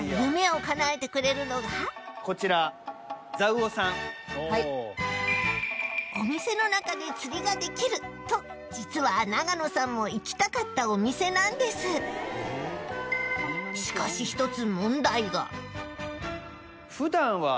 戸田さんのお店の中で釣りができると実は永野さんも行きたかったお店なんですしかしあぁ。